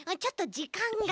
じかん。